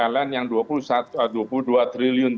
ln yang dua puluh dua triliun